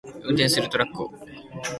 運転するトラックを